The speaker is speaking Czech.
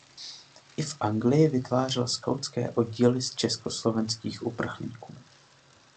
I v Anglii vytvářel skautské oddíly z československých uprchlíků.